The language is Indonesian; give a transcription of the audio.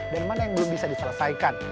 dan mana yang belum bisa diselesaikan